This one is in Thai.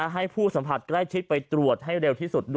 ให้ผู้สัมผัสใกล้ชิดไปตรวจให้เร็วที่สุดด้วย